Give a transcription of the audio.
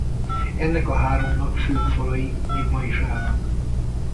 Ennek a háromnak főbb falai még ma is állnak.